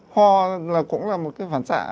ho là cũng là một cái phản xạ